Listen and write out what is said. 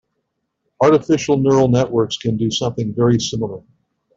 Artificial neural networks can do something very similar.